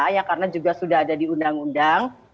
ya karena juga sudah ada di undang undang